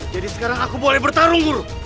jadi sekarang aku boleh bertarung guru